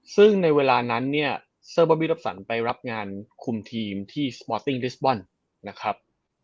ซึ่งในเวลานั้นเนี่ยเซอร์บอบบี้รับสันไปรับงานคุมทีมที่สปอร์ตติ้งลิสบอลนะครับ